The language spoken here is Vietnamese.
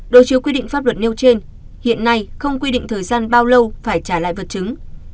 đối chiếu quy định pháp luật nêu trên hiện nay không quy định thời gian bao lâu phải trả lại vật chứng